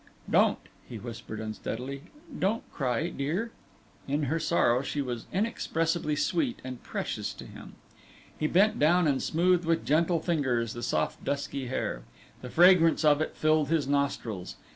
"Don't," he whispered unsteadily "don't cry, dear." In her sorrow, she was inexpressibly sweet and precious to him. He bent down and smoothed with gentle fingers the soft, dusky hair. The fragrance of it filled his nostrils.